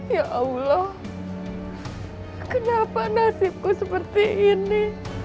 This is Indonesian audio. ya allah kenapa nasibku seperti ini